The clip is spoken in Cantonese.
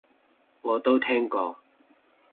我都聽過